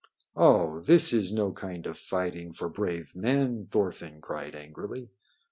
"Oh, this is no kind of fighting for brave men!" Thorfinn cried angrily.